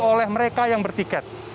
oleh mereka yang bertiket